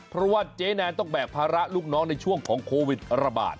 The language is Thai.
เพราะว่าเจ๊แนนต้องแบกภาระลูกน้องในช่วงของโควิดระบาด